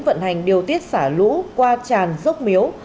vận hành điều tiết xả lũ qua tràn dốc miếu